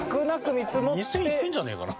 ２０００いってんじゃねえかな。